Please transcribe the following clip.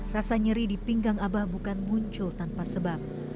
rasa nyeri di pinggang abah bukan muncul tanpa sebab